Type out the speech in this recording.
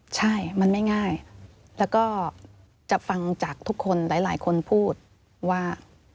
ใช่มันไม่ง่ายแล้วก็จะฟังจากทุกคนหลายคนพูดว่า